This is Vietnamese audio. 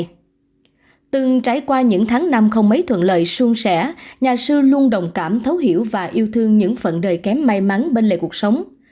nhưng trải qua những tháng năm không mấy thuận lợi xuân xẻ nhà sư luôn đồng cảm thấu hiểu và yêu thương những phần đời kém may mắn bên lề cuộc sống